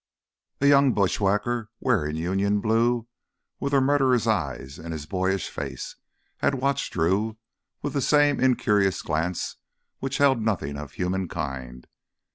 A young bushwhacker wearing Union blue, with a murderer's eyes in his boyish face, had watched Drew with the same incurious glance which held nothing of humankind.